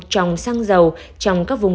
trọng xăng dầu trong các vùng